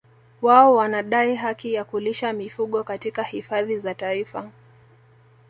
Wao wanadai haki ya kulisha mifugo katika hifadhi za Taifa